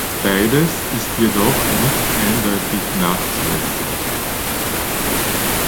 Beides ist jedoch nicht eindeutig nachzuweisen.